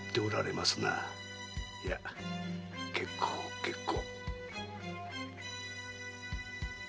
いや結構結構。